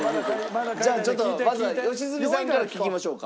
じゃあちょっとまずは良純さんから聞きましょうか。